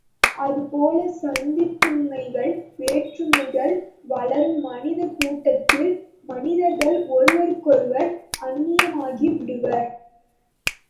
அதுபோலச் சாதிப்புன்மைகள், வேற்றுமைகள் வளரும் மனிதக் கூட்டத்தில் மனிதர்கள் ஒருவருக்கொருவர் அன்னியமாகி விடுவர்.